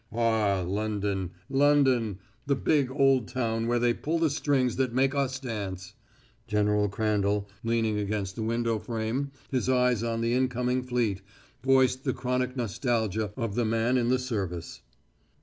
"Ah, London London the big, old town where they pull the strings that make us dance!" General Crandall, leaning against the window frame, his eyes on the incoming fleet, voiced the chronic nostalgia of the man in the service.